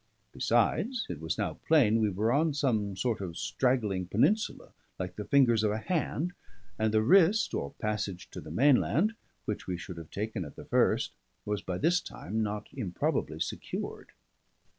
Besides, it was now plain we were on some sort of straggling peninsula, like the fingers of a hand; and the wrist, or passage to the mainland, which we should have taken at the first, was by this time not improbably secured.